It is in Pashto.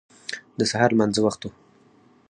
د سهار لمانځه وخت و.